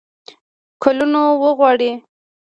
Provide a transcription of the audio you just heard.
کلونو وغواړي.